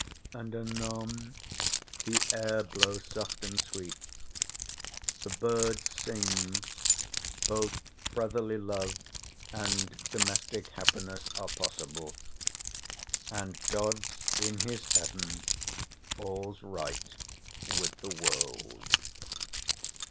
And anon the air blows soft and sweet, the birds sing, both brotherly love and domestic happiness are possible, and "God's in his heaven, all's right with the world."